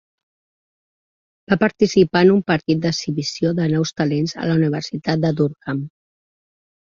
Va participar en un partit d'exhibició de nous talents a la universitat de Durham.